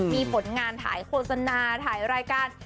มีผลงานถ่ายโฆษณาถ่ายรายการ